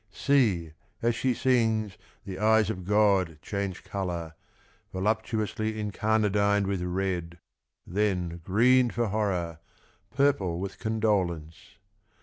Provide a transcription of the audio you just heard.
See, as she sings, the eyes of God change colour. Voluptuously incarnadined with red. Then green for horror, purple with condolence.